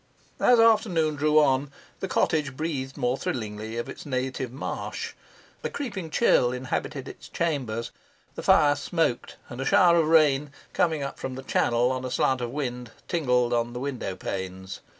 As afternoon drew on, the cottage breathed more thrillingly of its native marsh; a creeping chill inhabited its chambers; the fire smoked, and a shower of rain, coming up from the channel on a slant of wind, tingled on the window panes.